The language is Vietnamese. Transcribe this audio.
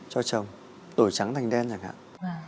cho chồng đổi trắng thành đen chẳng hạn